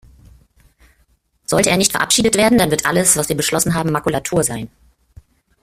Sollte er nicht verabschiedet werden, dann wird alles, was wir beschlossen haben, Makulatur sein.